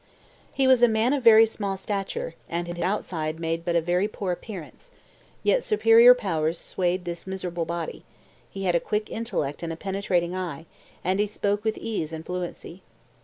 "He was a man of very small stature, and his outside made but a very poor appearance; yet superior powers swayed this miserable body; he had a quick intellect and a penetrating eye, and he spoke with ease and fluency.